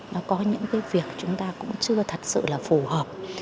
nó có những cái việc chúng ta cũng chưa thật sự là phù hợp